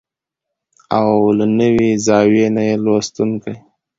او له نوې زاويې نه يې لوستونکي